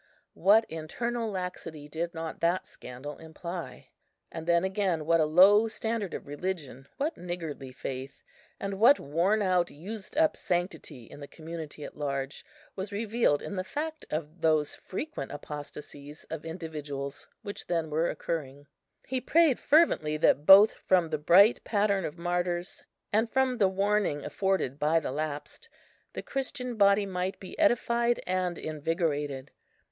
What internal laxity did not that scandal imply! And then again what a low standard of religion, what niggardly faith, and what worn out, used up sanctity in the community at large, was revealed in the fact of those frequent apostasies of individuals which then were occurring! He prayed fervently that both from the bright pattern of martyrs, and from the warning afforded by the lapsed, the Christian body might be edified and invigorated.